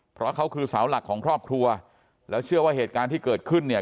เพราะเขาคือเสาหลักของครอบครัวแล้วเชื่อว่าเหตุการณ์ที่เกิดขึ้นเนี่ย